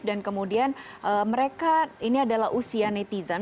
dan kemudian mereka ini adalah usia netizen